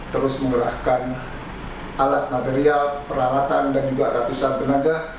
terus mengerahkan alat material peralatan dan juga ratusan tenaga